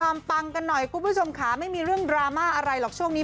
ปังกันหน่อยคุณผู้ชมค่ะไม่มีเรื่องดราม่าอะไรหรอกช่วงนี้